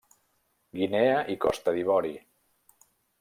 Guinea i Costa d'Ivori.